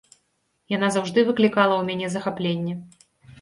Яна заўжды выклікала ў мяне захапленне.